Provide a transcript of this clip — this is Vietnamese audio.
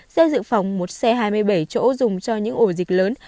xe dự phòng một xe hai mươi bảy chỗ dùng cho những ổ dịch lớn